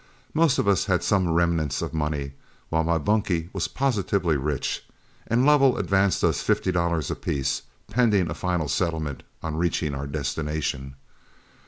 Most of us had some remnants of money, while my bunkie was positively rich, and Lovell advanced us fifty dollars apiece, pending a final settlement on reaching our destination.